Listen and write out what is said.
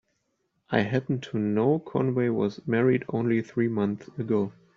I happen to know Conway was married only three months ago.